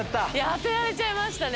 当てられちゃいましたね。